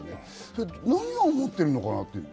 何を思ってるのかなって。